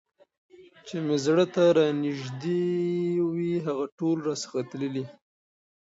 چي مي زړه ته رانیژدې وي هغه ټول راڅخه تللي